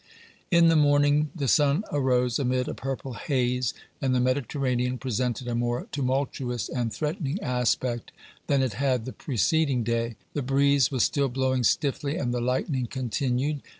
In the morning the sun arose amid a purple haze, and the Mediterranean presented a more tumultuous and threatening aspect than it had the preceding day. The breeze was still blowing stiffly, and the lightning continued.